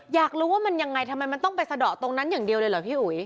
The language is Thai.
อยากรู้ว่ามันยังไงทำไมมันต้องไปสะดอกตรงนั้นอย่างเดียวเลยเหรอพี่อุ๋ย